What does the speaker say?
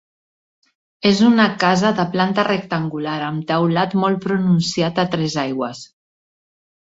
És una casa de planta rectangular, amb teulat molt pronunciat a tres aigües.